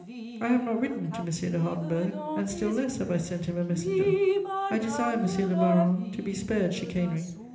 I have not written to M. de Hardenberg, and still less have I sent him a messenger. I desire, monsieur le baron, to be spared chicanery.